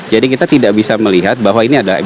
kita tidak bisa melihat bahwa ini adalah